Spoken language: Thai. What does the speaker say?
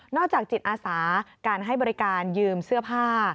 จากจิตอาสาการให้บริการยืมเสื้อผ้า